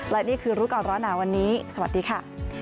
และนี่คือรู้ก่อนร้อนหนาวันนี้สวัสดีค่ะ